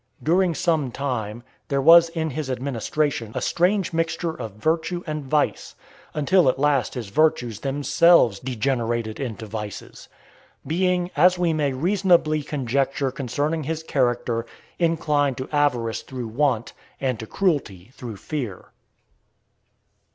During some time, there was in his administration a strange mixture of virtue and vice, until at last his virtues themselves degenerated into vices; being, as we may reasonably conjecture concerning his character, inclined to avarice through want, and to cruelty through fear.